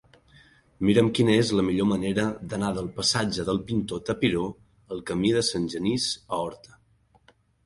Mira'm quina és la millor manera d'anar del passatge del Pintor Tapiró al camí de Sant Genís a Horta.